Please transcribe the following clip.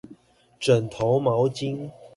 枕頭毛巾